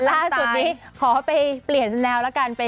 ล่าสุดนี้ขอไปเปลี่ยนแนวแล้วกัน